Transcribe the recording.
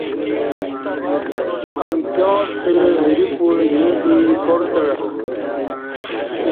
امکیاں ستہ وری پل ییں دی کار تعہ